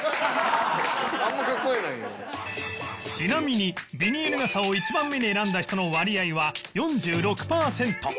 ちなみにビニール傘を１番目に選んだ人の割合は４６パーセント